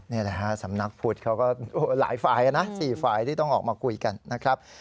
นี่แหละฮะสำนักพุทธเขาก็หลายฝ่ายนะ๔ฝ่ายที่ต้องออกมาคุยกันนะครับ